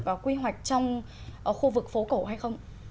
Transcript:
và quy hoạch trong khu vực phố cổ hay không